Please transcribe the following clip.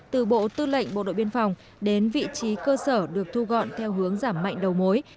từ bộ tư lệnh bộ đội biên phòng đến vị trí cơ sở được thu gọn theo hướng giảm mạnh đầu mối